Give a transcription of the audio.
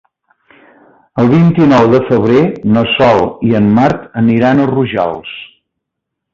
El vint-i-nou de febrer na Sol i en Marc aniran a Rojals.